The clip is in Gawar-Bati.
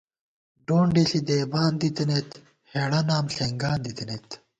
ڈونڈے ݪی دیبان دِتَنَئیت ہېڑہ نام ݪېنگان دِتَنَئیت